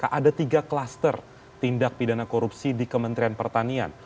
ada tiga klaster tindak pidana korupsi di kementerian pertanian